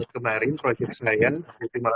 kemarin proyek saya